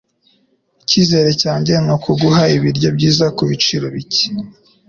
Icyizere cyanjye nukuguha ibiryo byiza kubiciro buke.